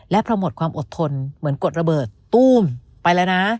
และพอหมดความอดทนเหมือนกดระเบิดตู้มไปแล้วนะ